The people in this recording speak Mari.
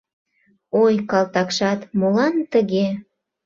— Ой, калтакшат, молан тыге?